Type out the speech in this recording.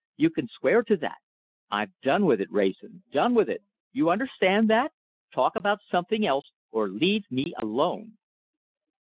You can swear to that. I've done with it, Wrayson, done with it! You understand that? Talk about something else, or leave me alone!"